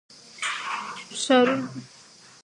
ښارونه د جغرافیوي تنوع یو ښه مثال دی.